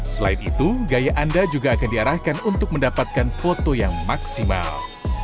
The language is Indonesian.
selain itu gaya anda juga akan diarahkan untuk mendapatkan foto yang maksimal